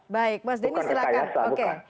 bukan rekayasa bukan